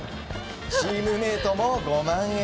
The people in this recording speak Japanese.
チームメートもご満悦。